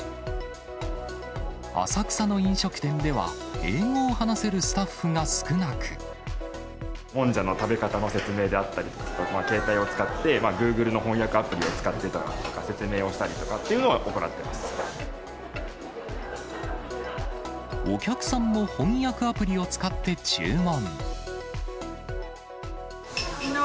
浅草の飲食店では、もんじゃの食べ方の説明であったり、ケータイを使って、グーグルの翻訳アプリを使って説明をしたりとかっていうのを行っお客さんも翻訳アプリを使って注文。